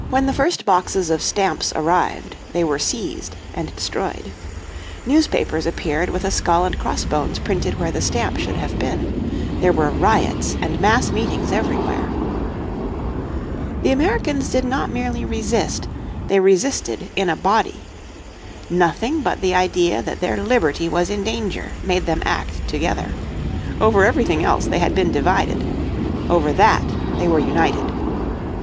When the first boxes of stamps arrived they were seized and destroyed. Newspapers appeared with a skull and crossbones printed where the stamp should have been. There were riots and mass meetings everywhere. The Americans did not merely resist, they resisted in a body. Nothing but the idea that their liberty was in danger made them act together. Over everything else they had been divided. Over that they were united.